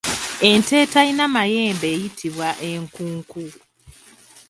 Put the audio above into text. Ente eterina mayembe eyitibwa Enkunku.